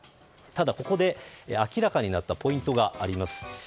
ただ、ここで明らかになったポイントがあります。